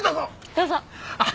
どうぞ。